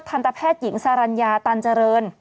ทันตแพทย์หญิงสรรญาตันเจริญ